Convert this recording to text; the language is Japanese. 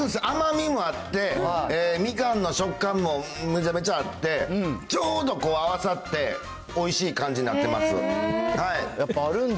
甘みもあって、みかんの食感もめちゃめちゃあって、ちょうど合わさって、おいしい感じになってます。